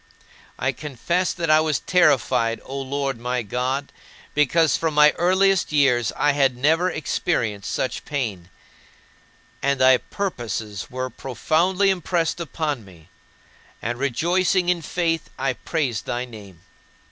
I confess that I was terrified, O Lord my God, because from my earliest years I had never experienced such pain. And thy purposes were profoundly impressed upon me; and rejoicing in faith, I praised thy name.